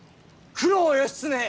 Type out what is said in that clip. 九郎義経